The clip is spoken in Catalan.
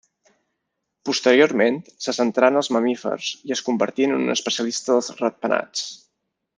Posteriorment se centrà en els mamífers i es convertí en un especialista dels ratpenats.